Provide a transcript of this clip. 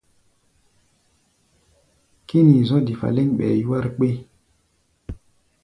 Kínii zɔ̧́ difa lɛ́ŋ, ɓɛɛ yúwár kpé.